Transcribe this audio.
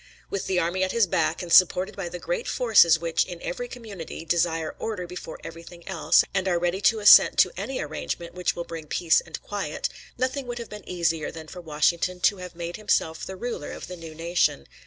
With the army at his back, and supported by the great forces which, in every community, desire order before everything else, and are ready to assent to any arrangement which will bring peace and quiet, nothing would have been easier than for Washington to have made himself the ruler of the new nation.